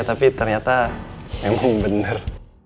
tapi ternyata memang benar